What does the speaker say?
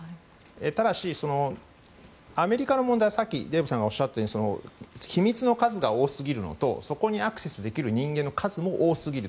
ただし、アメリカの問題はさっきデーブさんがおっしゃったように秘密の数が多すぎるのとそこにアクセスできる人間の数も多すぎる。